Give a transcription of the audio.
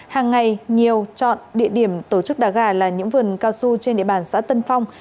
hàng ngày nhiều chọn địa điểm tổ chức đá gà là những vườn cao su trên địa bàn xã tân phong